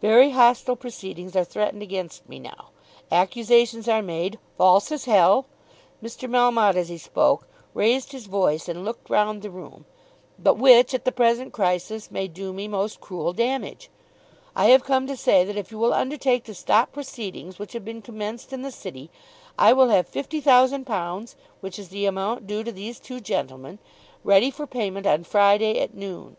Very hostile proceedings are threatened against me now. Accusations are made, false as hell," Mr. Melmotte as he spoke raised his voice and looked round the room, "but which at the present crisis may do me most cruel damage. I have come to say that, if you will undertake to stop proceedings which have been commenced in the City, I will have fifty thousand pounds, which is the amount due to these two gentlemen, ready for payment on Friday at noon."